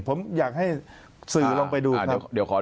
ผมอยากให้สื่อลงไปดูครับ